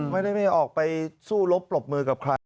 ไม่ได้ไม่ออกไปสู้รบปรบมือกับใคร